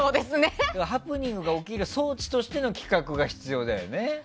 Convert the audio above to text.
ハプニングが起きる装置としての企画が必要だよね。